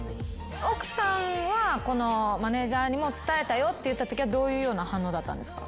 奥さんはマネージャーにも伝えたよって言ったときはどういう反応だったんですか？